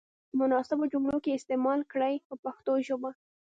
په مناسبو جملو کې یې استعمال کړئ په پښتو ژبه.